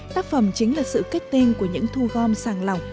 tác phẩm chính là sự kết tinh của những thu gom sàng lọc